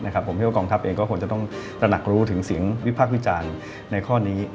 ผมเชื่อว่ากองทัพเองก็คงจะต้องตระหนักรู้ถึงเสียงวิพากษ์วิจารณ์ในข้อนี้